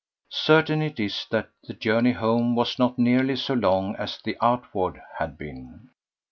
Certain it is that the journey home was not nearly so long as the outward one had been.